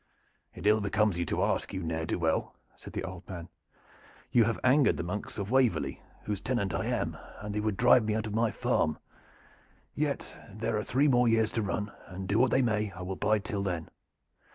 "It ill becomes you to ask, you ne'er do weel," said the old man. "You have angered the monks of Waverley, whose tenant I am, and they would drive me out of my farm. Yet there are three more years to run, and do what they may I will bide till then.